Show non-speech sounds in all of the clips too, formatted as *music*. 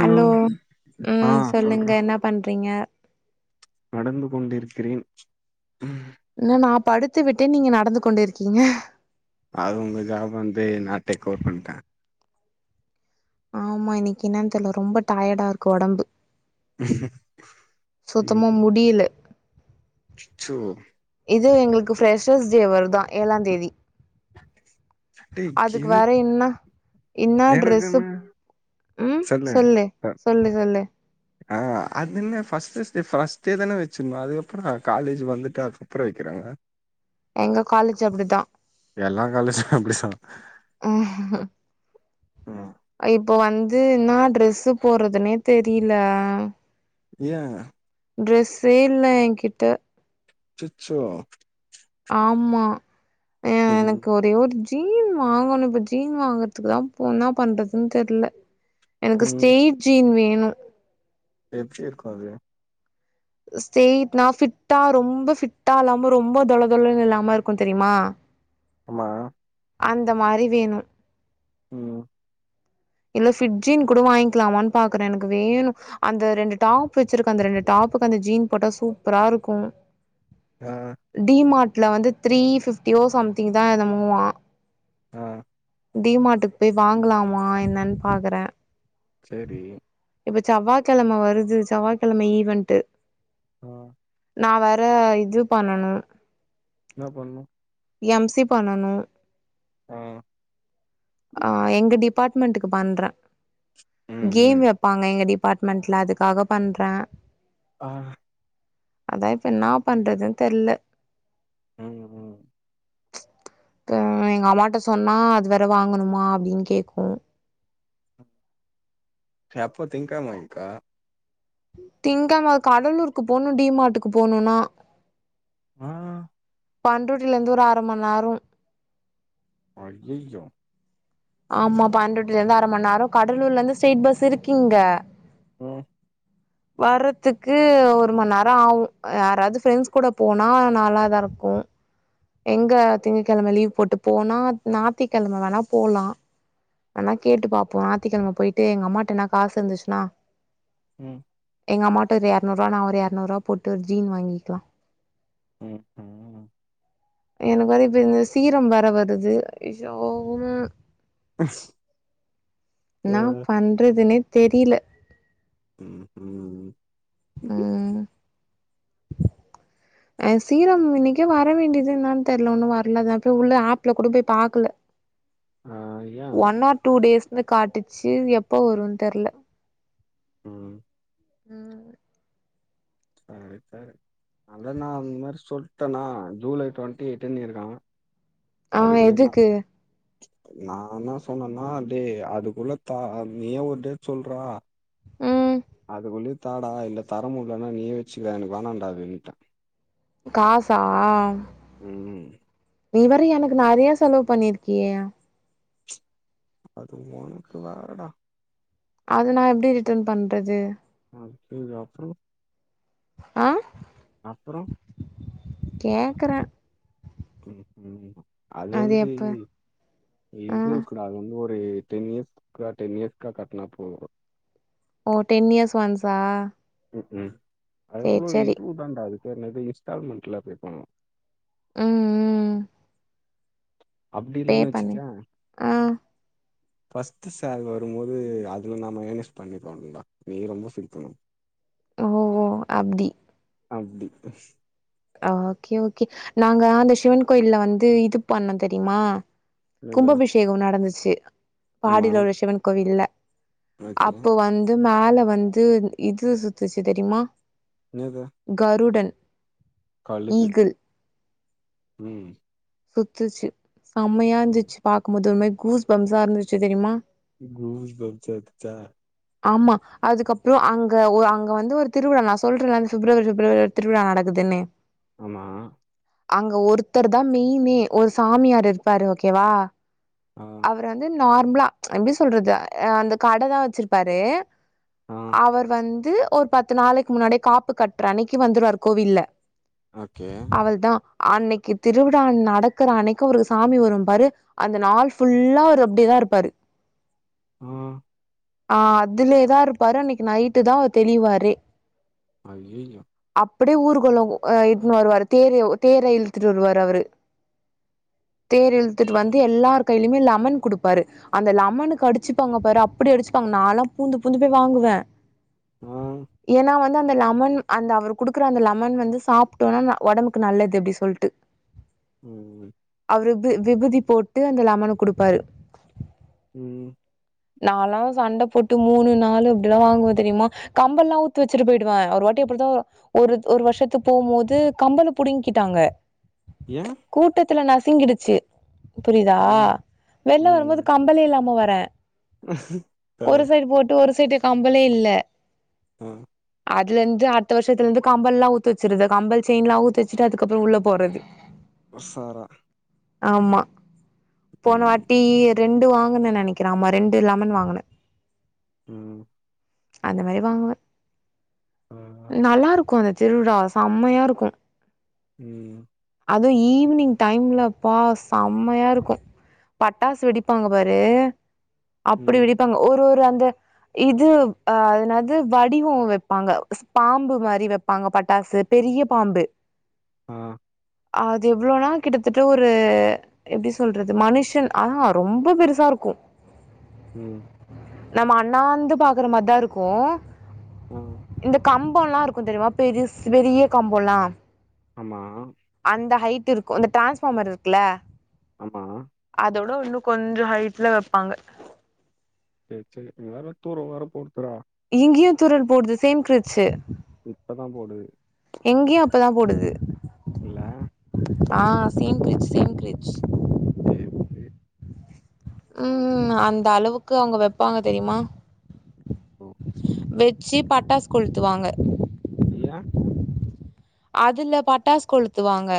hello ஆ ம் சொல்லுங்க சொல்றா என்ன பண்றீங்க நடந்து கொண்டிருக்கிறேன் ம் என்ன நான் படுத்து விட்டேன் நீங்க நடந்து கொண்டிருக்கீங்க அது உங்க ஜாப் வந்து நான் டேக்கோர் பண்ணிட்டேன் ஆமா இன்னைக்கு என்னன்னு தெரியல ரொம்ப டயடா இருக்கு ஒடம்பு சுத்தமா முடியல ச் சோ இது எங்களுக்கு ஃப்ரெஷஸ் டே வருதா ஏழாந்தேதி டேய் அதுக்கு வேற எனக் இன்ன இன்ன ட்ரெஸ்சு எனக்குன்னு ம் சொல்லு சொல்லு சொல்லு ஆ அதுஎன்ன ஃபஸ்ஸெஸ்டே பஸ்டேதானே வெச்சிருர்னு அது எப்பட்றா காலேஜ் வந்துட்டு அதுக்கப்றோ வைக்கிறாங்க எங்க காலேஜ் அப்பிடிதா எல்லா காலேஜ்சு அப்பிடிதா ஆஹா *unintelligible* இப்ப வந்து இன்னா டிரெஸ்சு போட்றதுன்னே தெரியில ஏ டிரெஸ்ஸே இல்ல ‌எங்கிட்ட அச்சச்சோ ஆமா ம் எனக்கு ஒரே ஒரு ஜீன் வாங்கணு இப்ப ஜீன் வாங்கறதுக்கு தா போ என்ன பண்றதுன்னு தெரியில எனக்கு ம் ஸ்டேட் ஜீன் வேணு எப்டி இருக்கு அது ஸ்டேட்னா ஃபிட்டா ரொம்ப ஃபிட்டா இல்லாம ரொம்ப தொளதொளன்னு இல்லாம இருக்கு தெரியுமா ஆமா அந்த மாரி வேணு ம் இல்ல ஃபிட் ஜீன் கூட வாங்கிக்கலாமான்னு பாக்குறே எனக்கு வேணு அந்த ரெண்டு டாப் வெச்சிருக்க அந்த ரெண்டு டாப்புக்கு அந்த ஜீன் போட்டா சூப்பரா இருக்கு ஆ டி மாட்ல வந்து த்ரீ ஃபிப்டியோ சம்திங் தா என்னமோவா ஆ டி மார்ட்க்கு போய் வாங்கலாமா என்னன்னு பாக்குறே சேரி இப்ப செவ்வாக்கழம வருது செவ்வாக்கெழம ஈவென்ட்டு ஆ நா வேற இது பண்ணணு இன்னா பண்ணு எம் சி பண்ணணு ஆ ஆ எங்க டிபார்ட்மெண்ட்க்கு பண்றே ம் கேம் ம் வெப்பாங்க எங்க டிப் பார்ட்மெண்ட்ல அதுக்காக பண்றே ஆ அதா இப்ப என்னா பண்றதுன்னு தெரில ம் ம் எங்க அம்மாட்ட சொன்னா அது வேற வாங்கணுமா அப்டின்னு கேக்கு எப்ப திங்கெழம வாங்க்க திங்கெழம கடலூருக்கு போணு டி மார்டுக்கு போணுனா ஆ பன்ரொட்டில இருந்து ஒரு அர மண் நேரோ அய்யய்யோ ஆமா பன்ரொடிட்டில இருந்து அர மண் நேரோ கடலூர்ல இருந்து ஸ்ரைட் பஸ் இருக்கு இங்க ம் வர்றதுக்கு ஒரு மண் நேரம் ஆகும் யாராவ்து ஃப்ரெண்ட்ஸ் கூட போனா நல்லாதாருக்கும் எங்க திங்கக்கெழம லீவ் போட்டு போனா ஞாத்திக்கெழம வேணா போலா வேனா கேட்டு பாப்போ ஞாத்திக்கெழம போயிட்டு எங்க அம்மாட்டன்னா காசு இருந்துச்சுன்னா ம் எங்க அம்மாட்ட ஒரு எர்நூறுவா நா எர்நூறுவா போட்டு ஒரு ஜீன் வாங்கிக்லா ம் ம் எனக்கு வந்து இப்ப இந்த சீரம் வேற வருது அய்யோ ம் *unintelligible* இன்னாவ் சேர் பண்றதுன்னே தெரில ம் ம் ம் அ சீரம் இன்னைக்கே வர வேண்டியது என்னான் தெரில உன்னும் வரலேங்க போய் உள்ள ஆப்ல கூட போய் பாக்கல ஆ யா ஒன் ஆர் டூ டேஸ்னு காட்டுச்சு எப்ப வரும் தெர்ல ம் ம் அது ரிப்பேர் அத நா இந் மாரி சொல்ட்டனா ஜூலை டுவெண்டி எயிட்ன்னிருக்காங்க ஆ அதுக்குள்யுமா எதுக்கு நா என்ன சொன்னன்னா டே அதுக்குள்ள தா நீயே ஒரு டேட் சொல்றா ம் அதுக்குள்ளையு தாடா இல்ல தரமுல்லன்னா நீயே வச்சுக்க எனக்கு வேணாம்டா அப்டின்ட்ட காசா ம் ம் நீ வேற எனக்கு நெறைய செலவு பண்ணிருக்கியே அது உனக்கு வேறடா அது நா எப்டி ரிட்டர்ன் பண்றது ம் ஓ அப்றோ அ அப்புறோ கேக்குற ம் ம் அது வந்து இதுவு ஆ இதுவுக் கூட அது வந்து ஒரு டென் இயர்ஸ்க்கா டென் இயர்ஸ்க்கா கட்னா போது ஓ டென் இயர்ஸ் ஒன்ஸா ம் ம் சேர் அவ்ளோ சேரி இதுதாண்டா அது அது பேர் என்னது இன்ஸ்டால்மண்ட்ல பே பண்ணு ம் ம் அப்படி பே இல்லைன்னு பண்ணு ஆ ஃபர்ஸ்ட்டு சால் வரும்போது அதுல நா மைனஸ் பண்ணிடுவாங்கள நீ ரொம்ப சுத்தணும் ஓ ஓ அப்டி அப்டி அ ஓகே ஓகே நாங்க அந்த சிவன் கோயில வந்து இது பண்ணம் தெரியுமா என்னது கும்பாபிஷேகம் நடந்துச்சு ஆமா பாடியில உள்ள சிவன் கோவில்ல ஓகே அப்போ வந்து மேல வந்து இது சுத்துச்சு தெரிமா நேது கருடன் ஈகில் ம் சுத்துச்சு சம்மையா இருந்துச்சு பாக்கும்போது ஒரு மாரி கூஸ் பம்ஸா இருந்துருச்சு தெரியுமா கூஸ் பம்ஸா இருந்துச்சா ஆம்மா அதுக்கப்றோ அங்க அங்க வந்து ஒரு திருவிழா நா சொல்றேன்ல பிப்ரவரி பிப்ரவரி திருவிழா நடக் க்கு தென்னே ஆமா அங்க ஒருத்தர் தா மெய்னே ஒரு சாமியார் இருப்பாரு ஓகேவா ஆ அவரு வந்து நார்மலா எப்டி சொல்றது அந்த கடதா வச்சுருப்பாரு ஆ அவர் வந்து ஒரு பத்து நாளைக்கு முன்னாடியே காப்புகட்ற அன்னக்கி வந்துருவாரு கோவில்ல ஓகே அவர்தா அன்னக்கி திருவிழா நடக்குற அன்னக்கி அவருக்கு சாமி வரு பாரு அந்த நாள் ஃபுல்லா அவரு அப்டிதா இருப்பாரு ம் ஆ அதுலேதா இருப்பாரு அன்னைக்கு நைட்டு தா அ தெளிவாரே ஐய்யய்யோ அப்டியே ஊர்கோலோ அ இட்டுனு வருவாரு தேரயோ தேர இழுத்துட்டு வருவாரு அவரு தேர் இழுத்துட்டு வந்து எல்லாரு கைலயுமே லமன் குடுப்பாரு அந்த லமனுக்கு அடுச்சுப்பாங்க பாரு அப்டி அடுச்சுப்பாங்க நாலா பூந்து பூந்து போய் வாங்குவே ஆ ஏனா வந்து அந்த லமன் அந்த அவரு குடுக்குற அந்த லெமன் வந்து சாப்ட்டோனா ஒடம்புக்கு நல்லது அப்டி சொல்ட்டு ம் ம் அவரு விகு விகுதி போட்டு அந்த லமன குடுப்பாரு ம் நாலா சண்ட போட்டு மூணு நாலு அப்டிலா வாங்குவே தெரியுமா கம்பல்லா அவுத்து வச்சுட்டு போயிடுவே ஒரு வாட்டி அப்டிதா ஒரு ஒரு வருஷத்து போம்போது கம்பல புடிங்கிட்டாங்க ஏ கூட்டத்துல நசுங்கிடுச்சு புரிதா ஆ வெள்ள வரும் ம் போது கம் கம்பலே இல்லாம வரே ஒரு சைடு போட்டு ஒரு சைடு கம்பளே இல்ல அ அதுல இருந்து அடுத்த வருஷத்துல இருந்து கம்பல்லா அவுத்து வச்சற்றது கம்பல் செயின்லா அவுத்து வச்சுட்டு அதுக்கப்பறோ உள்ள போறது ஒஸ்சாரா ஆமா ம் போனவாட்டி ரெண்டு வாங்குனேன் நெனைக்கிறே ஆமா ரெண்டு லெமன் வாங்குன ம் அந்த மாரி வாங்குவே ஆ நல்லா இருக்கு அந்த திருவிழா செம்மையா இருக்கு ம் அதுவு ஈவ்னிங் டைம்ல பா செம்மயா இருக்கு பட்டாசு வெடிப்பாங்க பாரு அப்டி ம் வெடிப்பாங்க ஒரு ஒரு அந்த இது அ அது என்னாது வடிவோ வப்பாங்க பாம்பு மாரி வப் பாங்க பட்டாசு பெரிய பாம்பு ஆ அது எவ்ளோ நாள் கிட்டத்தட்ட ஒரு எப்டி சொல்றது மனுஷன் ஆ ஹ ரொம்ப பெருசா இருக்கு ம் நம்ம அண்ணாந்து பாக்குற மார் தா இருக்கு ஆ இந்த கம்போல்லா இருக்கு தெரியுமா பெருஸ் பெரிய கம்போல்லா ஆமா அந்த ஹைட் இருக்கு அந்த டிரான்ஸ்ஃபார்மர் இருக்குல்ல ஆமா அத விட இன்னு கொஞ்சோ ஹைட்ல வெப்பாங்க சேர் சேரி இங்க வேற தூர வேற போடுதுற இங்கயு தூரல் போடுது சேம் கிருச்சி இப்ப தா போடுது இங்கயு அப்பதா போடுது இல்லா ஆ சேம் கிரிச் சேம் கிரிச் *inaudible* ம் அந்த அளவுக்கு அங்க வெப்பாங்க தெரிமா ஓ வெ சி பட்டாஸ் கொளுத்துவாங்க ஏயே அதுல பட்டாஸ் கொளுத்துவாங்க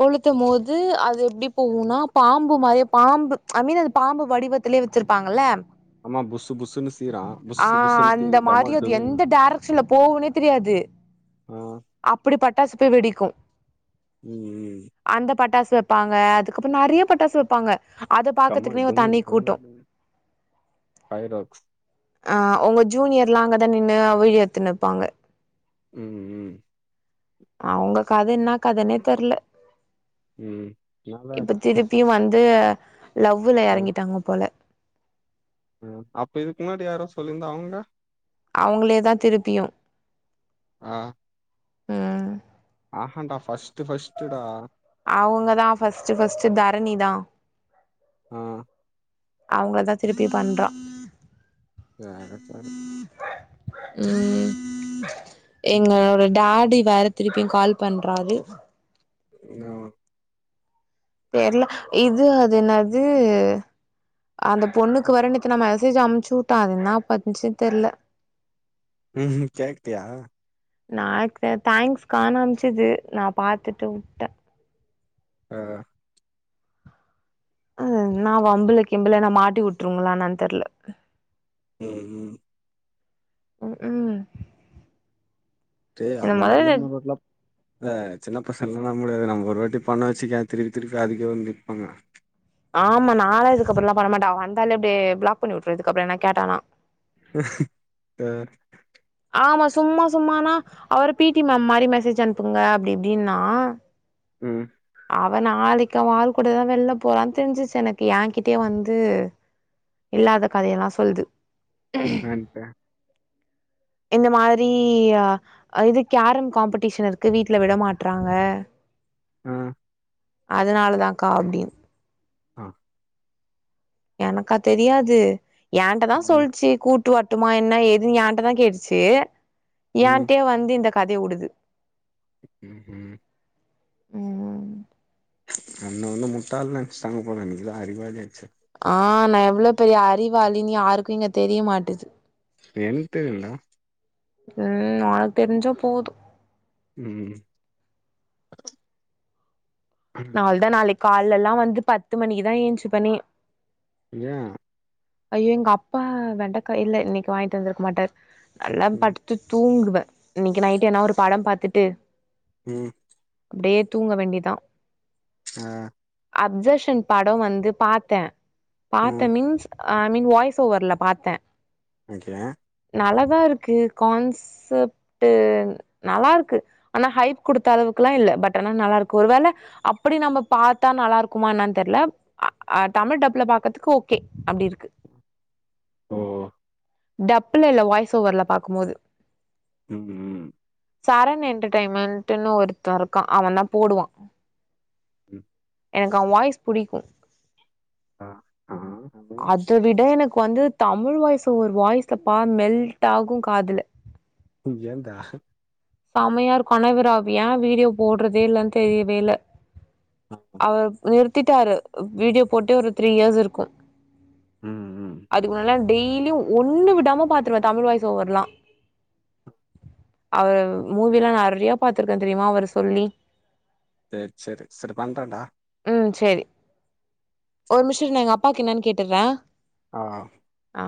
கொளுத்தும் போது அது எப்டி போவுனா பாம்பு மாரியே பாம்பு ஐ மீன் அது பாம்பு வடிவத் துலே வெச்சிருப்பாங்கல ஆமா புஸ்ஸு புஸ்ஸுன்னு சீறா ஆ புஸ்ஸு புஸ்ஸுன்னு அந்த சீறி மாரி டமால் அது டுமில் எந்த டேர க்ஷன்ல போவுனே தெரியாது ஆ அப்டி பட்டாசு போய் வெடிக்கு ம் ம் அந்த பட்டாசு வெப்பாங்க அதுக்கப்றோ நெறைய பட்டாசு வெப்பாங்க அத டமால் பாக்கர்துக்குனே ஒரு டுமில் தனி கூட்டோ டுமில் டுமில் ஃபைராக்ஸ் ஆ உங்க ஜூனியர்லா அங்கதா நின்னு வீடியோ எடுத்துனு இருப்பாங்க ம் ம் அவங்க கத என்னா கதனே தெர்ல ம் என்னாதா இப்ப ஆச்சு திருப்பியு வந்து லவ்வுல எறங்கிட்டாங்க போல அ அப்போ இதுக்கு முன்னாடி யாரோ சொல்லி இருந்த அவுங்க அவுங்களே தா திருப்பியு ஆ ம் ஆ ஹான்டா ஃபர்ஸ்ட் ஃபஸ்ட்டு டா அவுங்க தா ஃபஸ்ட்டு ஃபஸ்ட்டு தரணி தா ஆ அவுங்ள தா திருப்பி பண்றா சேரி சேரி ம் ம் எங்களோட டாடி வேற திருப்பியு கால் பண்றாரு என்னவா தெர்ல இது அது என்னாது அந்த பொண்ணுக்கு வேற நேத்து நா மெசேஜ் அம்ச்சு வுட்டா அது என்னா பண்ணுச்சு தெர்ல ம்ஹும் கேட்டியா நா எக் தே தேங்க்ஸ்க்கானு அம்ச்சது நா பாத்துட்டு வுட்டெ ஆ ஆ அ நா வம்புல கிம்புல என்ன மாட்டி விட்டுருங்களான்னு தெர்ல ம் ம் க் ம் டே என்ன அந்த மாரிலா மொதல்ல இன்னு வர்ல இல்ல சின்ன பசங்கள்லா நம்மலே நம்ப நம்ம ஒரு வாட்டி பண்ண வெச்சிக்கியே திருப்பி திருப்பி அதுக்கே வந்து நிப்பாங்க ஆமா நாலா இதுக்கப்றோலா பண்ண மாட்ட அவ வந்தாலே அப்டியே பிளாக் பண்ணி விட்ருவை என்ன கேட்டானா அ ஆமா சும்மா சும்மானா அவரு பீட்டி மேம் மாரி மேசேஜ் அனுப்புங்க அப்டி இப்டின்னா ம் அவ நாளைக்கி அவ ஆள் கூடதா வெள்ல போறான் தெரிஞ்சிச்சு எனக்கு ஏ கிட்டயே வந்து இல்லாத கதையெல்லா சொல்து இப்ப இந்த மாதிரியா இது கேரம் காம்படிஷன் இருக்கு வீட்ல விட மாட்றாங்க ம் அதுனாலதாங்க்கா அப்டீன் ஆ எனக்கா தெரியாது ஏன்ட்ட தா ம் சொல்ச்சு கூட் டு வர்ட்டுமா என்ன ஏதுன் ஏன்ட்டதா கேட்டுச்சு ம் ஏன்ட்டயே வந்து இந்த கதைய வுடுது ம் ஹும் ம் ம் என்ன வந்து முட்டாள்னு நென்ச்சிட்டாங்க போல நீதா அறிவாளியாச்சே ஆ நா எவ்ளொ பெரிய அறிவாளினு யாருக்கு இங்க தெரிய மாட்டிது என் தெரியுல்ல ம் ஒனக் தெரிஞ்சா போது ம் நா அவள் தா நாளைக் கால்லலா வந்து பத்து மணிக்குதா ஏன்ச்சுப்பனே ஏ ஐயோ எங்கப்பா வெண்டைக்கா இல்ல இன்னக்கி வாங்கிட் வந்துருக்க மாட்டாரு நல்லா ம் படு த்து தூங்குவே இன்னக்கி நைட் என்னா ஒரு படம் பாத்துட்டு ம் அப்டியே தூங்க வேண்டியதா ஆ அப்ஜெஷன் பட வந்து பாத்தே பாத்தெ ம் மின்ஸ் ஐ மீன் வாய்ஸ் ஓவர்ல பாத்தே ஓகே நல்லாதா இருக்கு கான்செப்ட்டு நல்லாருக்கு ஆனா ஹைப் குடுத்த அளவுக்குலா இல்ல பட் ஆனா நல்லாருக்கு ஒரு வேள அப்புடி நம்ம பாத்தா நல்லா இருக்குமா என்னான் தெர்ல ஆ தமிழ் டப்புல பாக்கற்துக்கு ஓகே அப்டி இருக் லோ டப்புல இல்ல வாய்ஸ் ஓவர்ல பாக்கும்போது ம் ம் சரன் என்டெர்டெயின்மெண்ட்டுன்னு ஒருத்த இருக்கா அவ தா போடுவா ம் எனக்கு அவ வாய்ஸ் புடிக்கு அ ஆ *unintelligible* அத விட எனக்கு வந்து தமிழ் வாய்ஸ் ஒரு வாய்ஸ்ல பா மெல்ட் ஆகு காதுல *unintelligible* ம் ஏந்தா சம்மையா இருக்கு ஆனா இவர் அவ் ஏ வீடியோ போட்றதே இல்லன் தெரியவேல்ல ஆ அவர் நிறுத்திட்டாரு வீடியோ போட்டே ஒரு த்ரீ இயர்ஸ் இருக்கு ம் ம் அதுக்கு முன்னால டெய்லியு ஒன்னு விடாம பாத்துருவே தமிழ் வாய்ஸ் ஓவர்லா அவ மூவில்லா நெறைய பாத்திருக்கே தெரியுமா அவர் சொல்லி சேரி சேரி செரி பண்றென்டா ம் சேரி ஒரு மிஷொ இரு எங்க அப்பாக்கு என்னன்னு கேட்டர்றே ஆ ஆ